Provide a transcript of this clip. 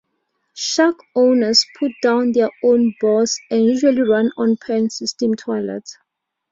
Shack owners put down their own bores and usually ran on pan system toilets.